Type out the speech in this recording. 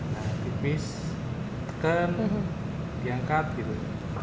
nah tipis tekan diangkat terus